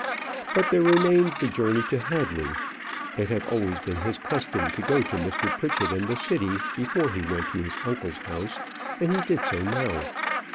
But there remained the journey to Hadley. It had always been his custom to go to Mr. Pritchett in the city before he went to his uncle's house, and he did so now.